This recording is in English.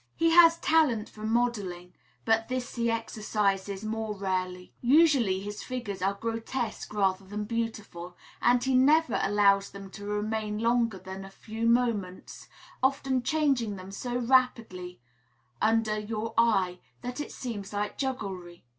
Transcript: He has talent for modelling, but this he exercises more rarely. Usually, his figures are grotesque rather than beautiful, and he never allows them to remain longer than for a few moments, often changing them so rapidly under your eye that it seems like jugglery.